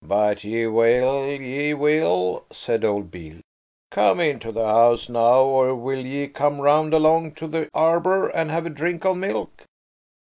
"But ye will, ye will," said old Beale. "Come into the house now; or will ye come round along to the arbour and have a drink of milk?"